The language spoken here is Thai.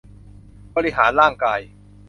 บริหารร่างกาย